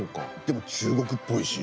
でも中国っぽいし。